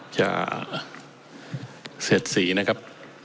จะเซศรีนะครับ